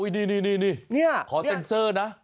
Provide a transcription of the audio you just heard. อุ้ยดีขอเซ็นเซอร์นะ